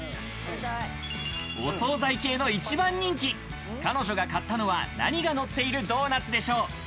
お惣菜系の一番人気、彼女が買ったのは何がのっているドーナツでしょう？